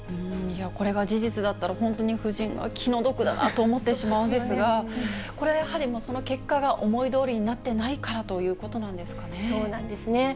これが事実だったら、本当に夫人は気の毒だなと思ってしまうんですが、これは、やはり、その結果が思いどおりになってないからということなんでそうなんですね。